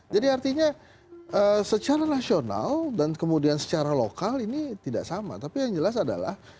jadi artinya secara nasional dan kemudian secara lokal ini tidak sama tapi yang jelas adalah